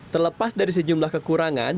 terlepas dari sejumlah kekurangan